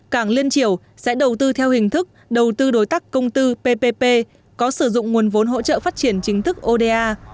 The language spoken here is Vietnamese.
cảng liên triều sẽ đầu tư theo hình thức đầu tư đối tác công tư ppp có sử dụng nguồn vốn hỗ trợ phát triển chính thức oda